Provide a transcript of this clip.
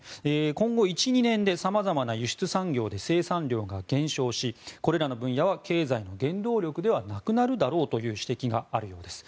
今後、１２年でさまざまな輸出産業で生産量が減少し、これらの分野は経済の原動力ではなくなるだろうという指摘があるようです。